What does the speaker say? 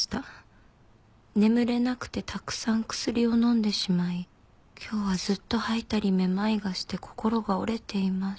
「眠れなくてたくさん薬を飲んでしまい今日はずっと吐いたりめまいがして心が折れています」